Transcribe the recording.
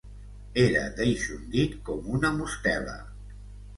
Era deixondit com una mostela.